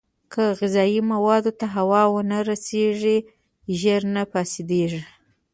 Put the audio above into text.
که غذايي موادو ته هوا ونه رسېږي، ژر نه فاسېدېږي.